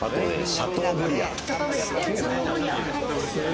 シャトーブリアン。